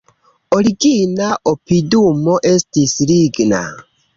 Origina opidumo estis ligna.